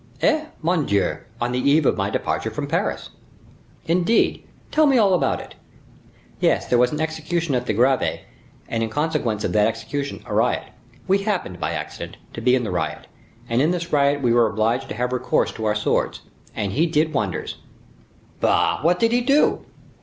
"Eh! mon Dieu! on the eve of my departure from Paris." "Indeed! tell me all about it!" "Yes; there was an execution at the Greve, and in consequence of that execution, a riot. We happened, by accident, to be in the riot; and in this riot we were obliged to have recourse to our swords. And he did wonders." "Bah! what did he do?"